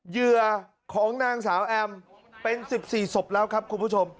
เหยื่อของนางสาวแอมเป็น๑๔ศพแล้วครับคุณผู้ชม